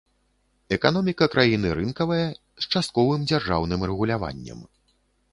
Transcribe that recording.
Эканоміка краіны рынкавая, з частковым дзяржаўным рэгуляваннем.